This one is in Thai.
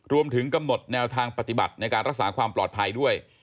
รวมถึงกำหนดแนวทางปฏิบัติในการรักษาความปลอดภัยด้วย